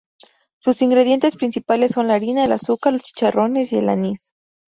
Sus ingredientes principales son la harina, el azúcar, los chicharrones y el anís.